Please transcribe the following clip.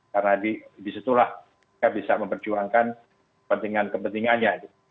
karena di disitulah kita bisa memperjuangkan kepentingan kepentingannya